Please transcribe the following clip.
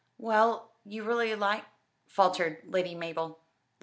"Would you really like ?" faltered Lady Mabel.